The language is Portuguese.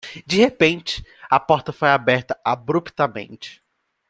De repente, a porta foi aberta abruptamente